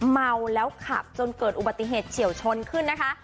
เมาแล้วขับจนเกิดอุบัติเหตุเฉียวชนขึ้นนะคะ